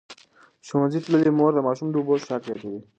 ښوونځې تللې مور د ماشوم د اوبو څښاک زیاتوي.